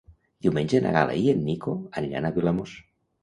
Diumenge na Gal·la i en Nico aniran a Vilamòs.